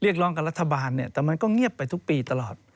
ร้องกับรัฐบาลเนี่ยแต่มันก็เงียบไปทุกปีตลอด